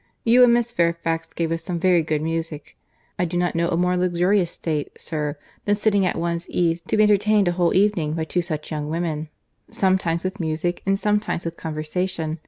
You and Miss Fairfax gave us some very good music. I do not know a more luxurious state, sir, than sitting at one's ease to be entertained a whole evening by two such young women; sometimes with music and sometimes with conversation.